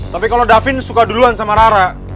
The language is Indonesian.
tapi kalau davin suka duluan sama rara